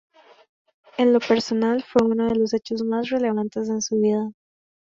En lo personal fue uno de los hechos más relevantes en su vida.